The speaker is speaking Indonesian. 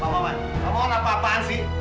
pak maman pak maman apa apaan sih